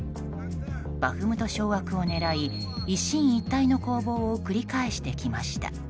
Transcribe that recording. バフムト掌握を狙い一進一退の攻防を繰り返してきました。